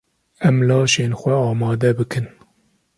Em laşên xwe amade bikin.